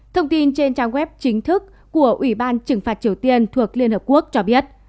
thông tin trên trang web chính thức của ủy ban trừng phạt triều tiên thuộc liên hợp quốc cho biết